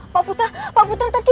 pak putra pak putra tadi